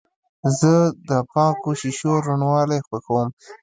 زه د پاکو شیشو روڼوالی خوښوم.